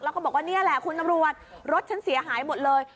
แล้วก็บอกว่านี่แหละคุณตำรวจรถฉันเสียหายหมดเลย